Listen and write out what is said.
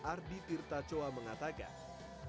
ardi tirta chowa mengatakan